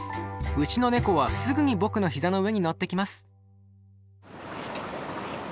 うちのネコはすぐに僕の膝の上に乗ってきます。